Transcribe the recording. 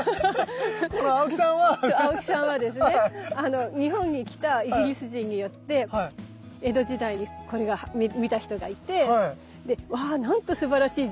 そうアオキさんはですね日本に来たイギリス人によって江戸時代にこれを見た人がいて「わなんとすばらしい常緑だ。